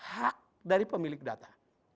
hak dari pemilik data